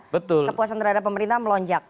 kepuasan terhadap pemerintah melonjak